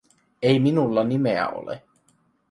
"Ei minulla nimeä ole.